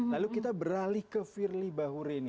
lalu kita beralih ke firly bahuri ini